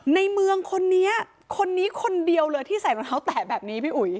ในเมืองคนนี้คนนี้คนเดียวเลยที่ใส่รองเท้าแตะแบบนี้พี่อุ๋ย